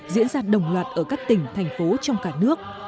diễn ra đồng loạt ở các tỉnh thành phố trong cả nước